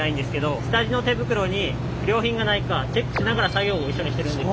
下地の手袋に不良品がないかチェックしながら作業を一緒にしてるんです。